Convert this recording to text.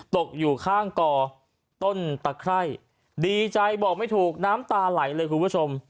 ตกอยู่ข้างก่อต้นตะไคร่ดีใจบอกไม่ถูกน้ำตาไหลเลยคุณผู้ชม